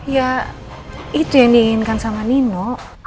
ya itu yang diinginkan sama nino